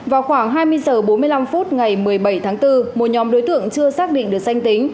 vào khoảng hai mươi h bốn mươi năm phút ngày một mươi bảy tháng bốn một nhóm đối tượng chưa xác định được danh tính